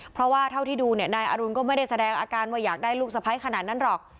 เพราะว่าเท่าที่ดูเนี่ยนายอรุณก็ไม่ได้แสดงอาการว่าอยากได้ลูกสะพ้ายขนาดนั้นหรอก